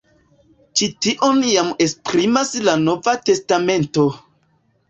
Ĉi tion jam esprimas la Nova Testamento.